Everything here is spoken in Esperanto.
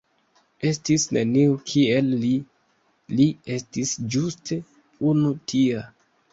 Estis neniu kiel li, li estis ĝuste unu tia".